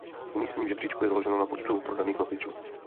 Umístění v žebříčku je založeno na počtu prodaných nosičů.